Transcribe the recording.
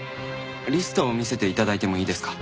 リストを見せて頂いてもいいですか？